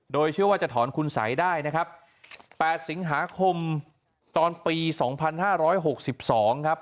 โดยเชื่อว่าจะถอนคุณสัยได้นะครับ๘สิงหาคมตอนปี๒๕๖๒ครับ